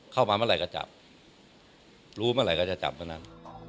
เข้ามาเมื่อไหร่ก็จับรู้เมื่อไหร่ก็จะจับเมื่อนั้น